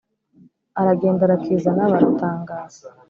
aragenda arakizana baratangara.